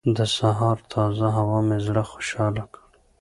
د سهار تازه هوا مې زړه خوشحاله کړ.